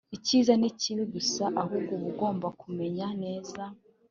icyiza n ikibi gusa Ahubwo uba ugomba kumenya neza